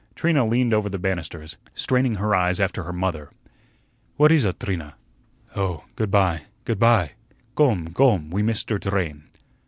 Trina leaned over the banisters, straining her eyes after her mother. "What is ut, Trina?" "Oh, good by, good by." "Gome, gome, we miss der drain."